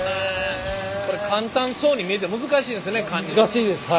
これ簡単そうに見えて難しいんですよね。